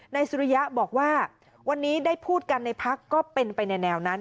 สุริยะบอกว่าวันนี้ได้พูดกันในพักก็เป็นไปในแนวนั้น